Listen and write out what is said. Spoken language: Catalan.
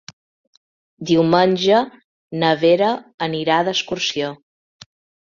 Diumenge na Vera anirà d'excursió.